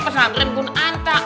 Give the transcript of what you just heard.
pesantren pun anta